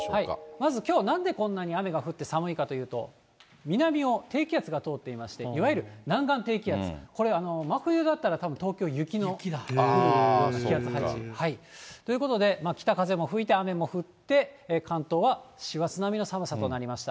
まず、きょうなんでこんなに雨が降って寒いかというと南を低気圧が通っていまして、いわゆる南岸低気圧、これ、真冬だったら雪の降るような気圧配置。ということで、北風も吹いて雨も降って関東は師走並みの寒さとなりました。